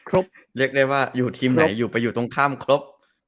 เรียกได้ว่าอยู่ทีมไหนอยู่ไปอยู่ตรงข้ามครบ